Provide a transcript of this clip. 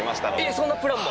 そんなプランも？